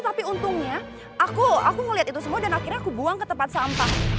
tapi untungnya aku ngeliat itu semua dan akhirnya aku buang ke tempat sampah